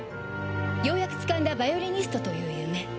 ようやくつかんだバイオリニストという夢。